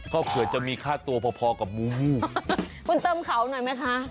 ก็เผื่อจะมีค่าตัวพอพอกับงูงูคุณเติมเขาหน่อยไหมคะ